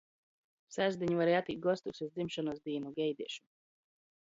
Sastdiņ vari atīt gostūs iz dzimšonys dīnu. Gaideišu!